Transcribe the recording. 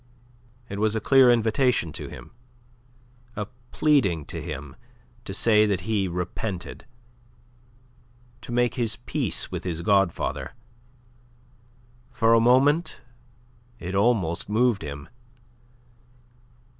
It was a clear invitation to him, a pleading to him to say that he repented, to make his peace with his godfather. For a moment it almost moved him.